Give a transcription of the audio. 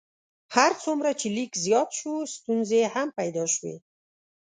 هر څومره چې لیک زیات شو ستونزې هم پیدا شوې.